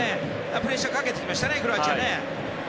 プレッシャーをかけてきましたねクロアチアは。